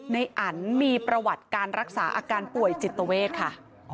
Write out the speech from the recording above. อันมีประวัติการรักษาอาการป่วยจิตเวทค่ะ